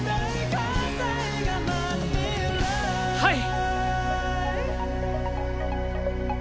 はい！